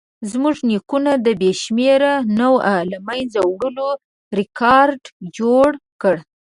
زموږ نیکونو د بې شمېره نوعو له منځه وړلو ریکارډ جوړ کړ.